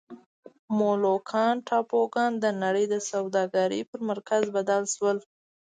مولوکان ټاپوګان د نړۍ د سوداګرۍ پر مرکز بدل شول.